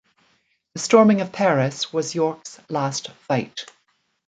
The storming of Paris was Yorck's last fight.